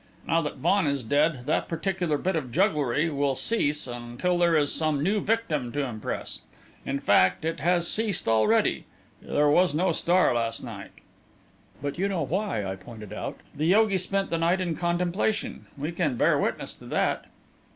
Now that Vaughan is dead, that particular bit of jugglery will cease until there is some new victim to impress. In fact, it has ceased already. There was no star last night." "But you know why," I pointed out. "The yogi spent the night in contemplation. We can bear witness to that."